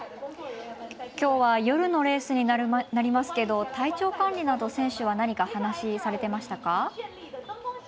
きょうは夜のレースになりますけど体調管理など、選手は何か話をされていましたか？